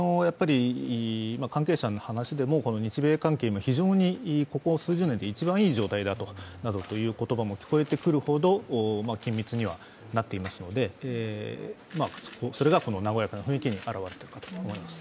関係者の話でも、日米関係は非常にここ数十年で一番いい状態だという言葉も聞こえるほど緊密にはなっていますので、それが和やかな雰囲気に表れているかと思います。